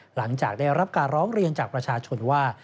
หลังจากได้รับการร้องเรียนจากประชาชนว่า